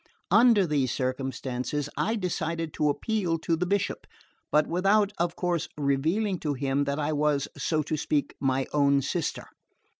Under these circumstances, I decided to appeal to the Bishop, but without, of course, revealing to him that I was, so to speak, my own sister.